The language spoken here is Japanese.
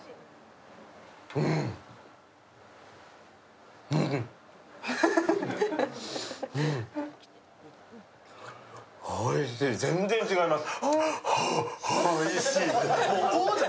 うん、うんおいしい、全然違います。